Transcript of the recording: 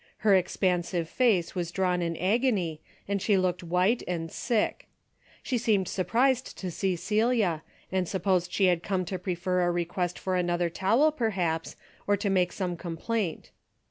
Her expansive face was drawn in agony and she looked white and sick. She seemed surprised to see Celia, and supposed she had come to prefer a request for another towel, perhaps, or to make some com plaint.